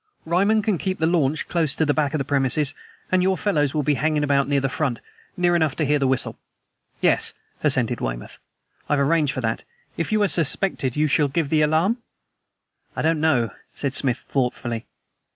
Ryman can keep the launch close to the back of the premises, and your fellows will be hanging about near the front, near enough to hear the whistle." "Yes," assented Weymouth; "I've arranged for that. If you are suspected, you shall give the alarm?" "I don't know," said Smith thoughtfully.